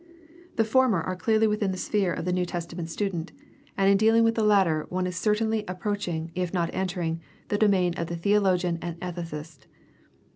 The former are clearly within the sphere of the New Testament THE STUDY OF THE NEW TESTAMENT 233 student, and in dealing with the latter one is certainly ap proaching, if not entering, the domain of the theologian and ethicist.